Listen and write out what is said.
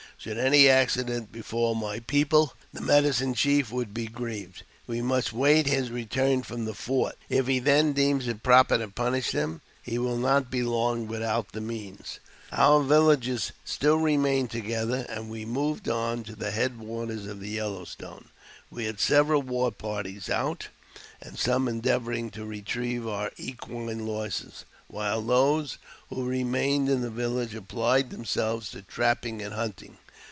Should any accident befall my people, the medicine chief would be grieved. We must wait his return from the fort ; if he then deems it proper to punish them, he will not be long without the means." Our villages still remained together, and we moved on to the head waters of the Yellow Stone. We had several war parties out, and some endeavouring to retrieve our equine losses, while those who remained in the village applied themselves to trapping and hunting.